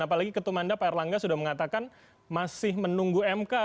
apalagi ketumanda pak erlangga sudah mengatakan masih menunggu mk